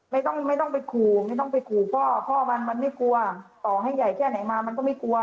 ไม่ต้องไม่ต้องไปขู่ไม่ต้องไปขู่พ่อพ่อมันมันไม่กลัวต่อให้ใหญ่แค่ไหนมามันก็ไม่กลัว